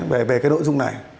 về nội dung này